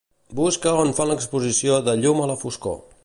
Busca on fan l'exposició de "Llum a la foscor".